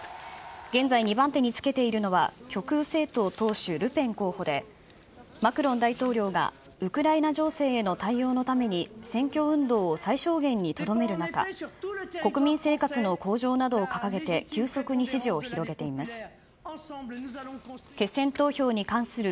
現在２番手につけているのは、極右政党党首、ルペン候補で、マクロン大統領がウクライナ情勢への対応のために、選挙運動を最小限にとどめる中、国民生活の向上などを掲げて、急速に支持を広げています。